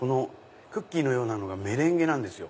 クッキーのようなものがメレンゲなんですよ。